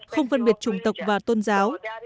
không phân biệt chủng tộc và tôn giáo